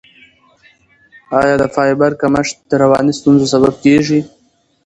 آیا د فایبر کمښت د رواني ستونزو سبب کیږي؟